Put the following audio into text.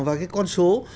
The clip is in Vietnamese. và cái con số